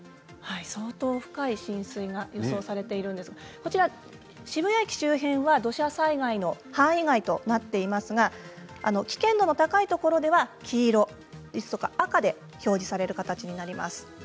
相当深い浸水が予定されているんですが渋谷駅周辺は土砂災害の範囲外となっていますが危険度の高いところでは黄色や赤と表示される形になります。